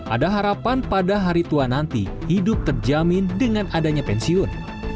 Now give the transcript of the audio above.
ada harapan pada hari tua nanti hidup terjamin dengan adanya pensiun